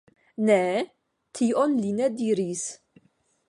Ne, tion li ne diris.